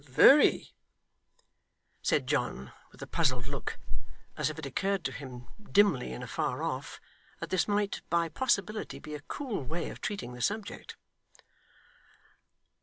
'Very,' said John with a puzzled look, as if it occurred to him, dimly and afar off, that this might by possibility be a cool way of treating the subject.